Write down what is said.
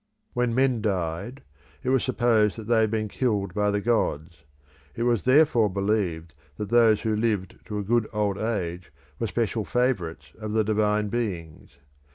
When men died, it was supposed that they had been killed by the gods; it was therefore believed that those who lived to a good old age were special favourites of the divine beings.